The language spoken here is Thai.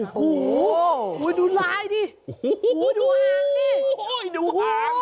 โหโหโหดูลายดิโหดูหางดิ